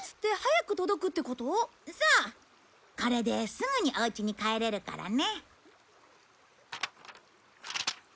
これですぐにおうちに帰れるからね。